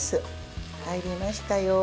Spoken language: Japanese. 入りましたよ。